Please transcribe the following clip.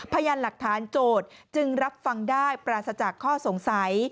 พยานหลักฐานโจทย์จึงรับฟังได้ปราศจากข้อสงสัย